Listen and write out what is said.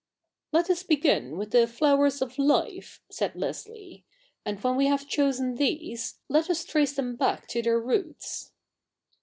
' Let us begin with the flowers of life,' said Leslie, ' and when we have chosen these, let us trace them back to their roots.'